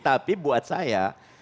tapi buat saya